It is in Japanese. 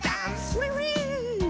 フリフリー！